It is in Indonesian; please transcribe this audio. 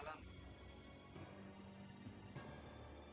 oleh itu anak pindah